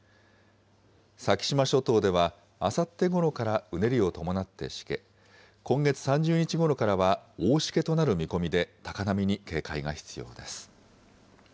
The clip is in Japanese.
先島諸島では、あさってごろからうねりを伴ってしけ、今月３０日ごろからは大しけとなる見込みで高波に警戒が必要です。